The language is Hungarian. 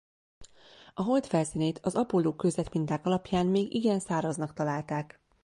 A Hold felszínét az Apollo-kőzetminták alapján még igen száraznak találták.